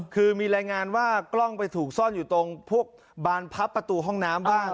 คือมีรายงานว่ากล้องไปถูกซ่อนอยู่ตรงพวกบานพับประตูห้องน้ำบ้าง